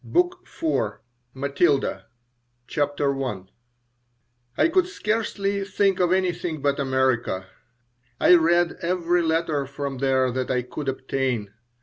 BOOK IV MATILDA CHAPTER I I COULD scarcely think of anything but America. I read every letter from there that I could obtain.